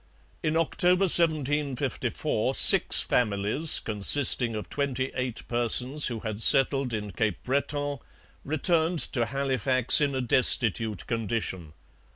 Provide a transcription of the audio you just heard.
In October 1754 six families, consisting of twenty eight persons who had settled in Cape Breton, returned to Halifax in a destitute condition.